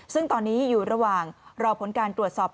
ซึ่งตอนนี้อยู่ระหว่างรอผลการตรวจสอบ